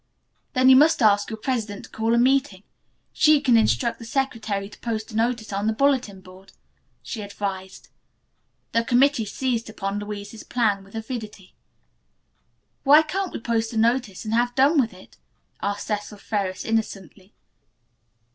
"Then you must ask your president to call a meeting. She can instruct the secretary to post a notice on the bulletin board," she advised. The committee seized upon Louise's plan with avidity. "Why can't we post a notice and have done with it?" asked Cecil Ferris innocently.